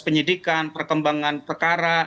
penyidikan perkembangan perkara